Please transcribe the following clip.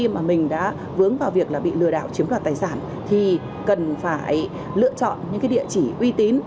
mà mình đã vướng vào việc là bị lừa đảo chiếm đoạt tài sản thì cần phải lựa chọn những địa chỉ uy tín